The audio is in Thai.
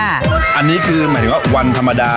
อันนี้คือวันธรรมดา